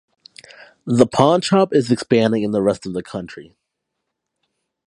The pawnshop is expanding in the rest of the country.